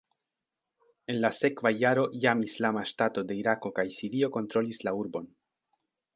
En la sekva jaro jam Islama Ŝtato de Irako kaj Sirio kontrolis la urbon.